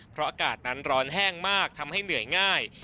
เพราะอากาศนั้นร้อนแห้งมากทำให้เหนื่อยง่าย